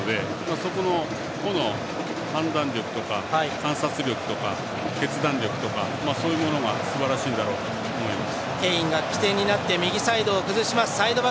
そこの個の判断力とか観察力とか決断力とか、そういうものがすばらしいんだろうと思います。